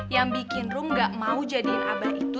yang bikin rum gak mau jadiin abah itu